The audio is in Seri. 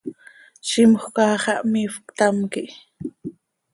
Zimjöc áa xah miifp, ctam quih.